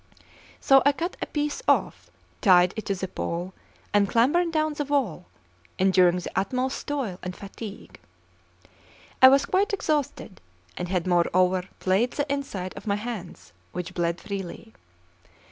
So I cut a piece off, tied it to the pole, and clambered down the wall, enduring the utmost toil and fatigue. I was quite exhausted, and had, moreover, flayed the inside of my hands, which bled freely.